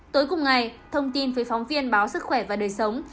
tối cùng ngày thông tin với phóng viên báo sức khỏe và đời sống